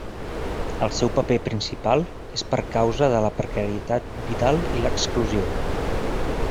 El seu paper principal és per causa de la precarietat vital i l'exclusió.